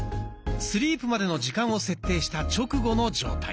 スリープまでの時間を設定した直後の状態。